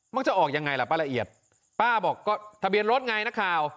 มันจะออกยังไงล่ะป้าละเอียดป้าบอกก็ทะเบียนรถไงนักข่าว